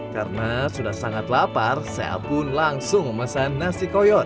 karena sudah sangat lapar saya pun langsung memesan nasi koyor